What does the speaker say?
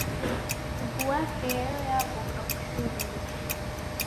Vua heyo yaw'oka kushurumba.